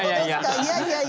いやいやいや。